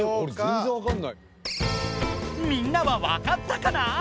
みんなはわかったかな？